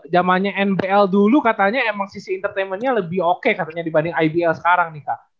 jamannya nbl dulu katanya emang sisi entertainmentnya lebih oke katanya dibanding ibl sekarang nih kak